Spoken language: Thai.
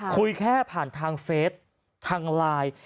คุยแค่ผ่านทางเฟสทางไลน์